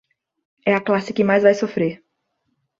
É a classe que mais vai sofrer.